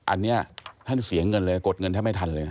อันนี้ท่านเสียเงินเลยกดเงินแทบไม่ทันเลย